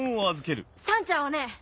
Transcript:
さんちゃんはね